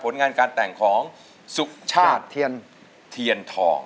ผลงานการแต่งของสุชาติเทียนทอง